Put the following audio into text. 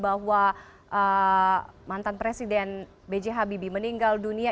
bahwa mantan presiden b j habibie meninggal dunia